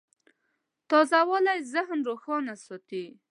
تازهوالی ذهن روښانه ساتي.